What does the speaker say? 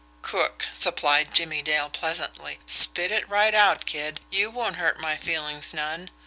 "Crook," supplied Jimmie Dale pleasantly. "Spit it right out, kid; you won't hurt my feelings none.